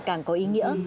càng có ý nghĩa